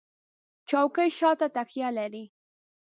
چوکۍ شاته تکیه لري.